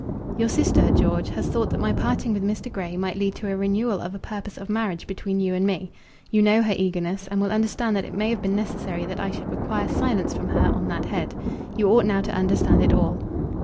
"Your sister, George, has thought that my parting with Mr. Grey might lead to a renewal of a purpose of marriage between you and me. You know her eagerness, and will understand that it may have been necessary that I should require silence from her on that head. You ought now to understand it all."